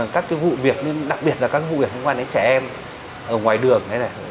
các vụ việc đặc biệt là các vụ việc liên quan đến trẻ em ở ngoài đường